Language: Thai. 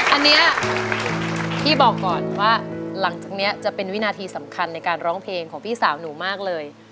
อันนี้พี่บอกก่อนว่าหลังจากนี้จะเป็นวินาทีสำคัญในการร้องเพลงของพี่สาวหนูมากเลย